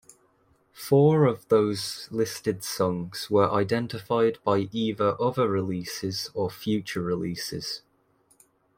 Four of those listed songs were identified by either other releases or future releases.